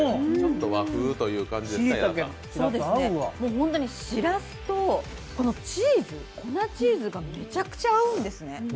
本当にしらすと、粉チーズがめちゃくちゃ合うんですね。